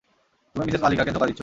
তুমি মিসেস মালিকাকে ধোকা দিচ্ছ।